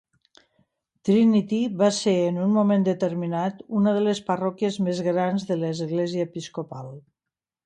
Trinity va ser, en un moment determinat, una de les parròquies més grans de l'església episcopal.